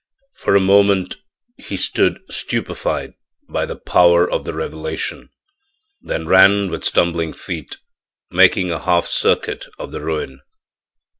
For a moment he stood stupefied by the power of the revelation, then ran with stumbling feet, making a half circuit of the ruin.